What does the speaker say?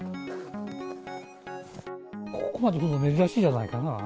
ここまで降るの、珍しいんじゃないかな。